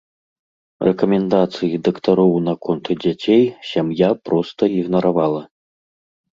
Рэкамендацыі дактароў наконт дзяцей сям'я проста ігнаравала.